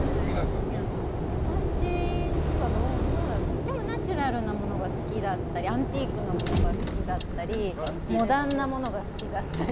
私んちはナチュラルな物が多かったりアンティーク物も好きだったりモダンなものが好きだったり。